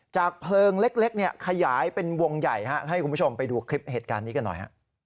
เพลิงเล็กขยายเป็นวงใหญ่ให้คุณผู้ชมไปดูคลิปเหตุการณ์นี้กันหน่อย